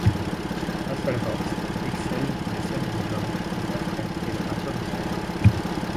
Hasselhorst excelle dans les scènes de genre, le portrait et la peinture d'histoire.